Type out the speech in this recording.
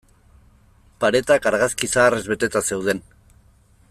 Paretak argazki zaharrez beteta zeuden.